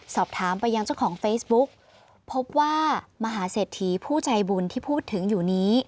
สอบถามไปยังเจ้าของเฟซบุ๊กพบว่ามหาเศรษฐีผู้ใจบุญที่พูดถึงอยู่นี้